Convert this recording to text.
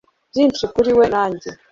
Byinshi kuri we na njye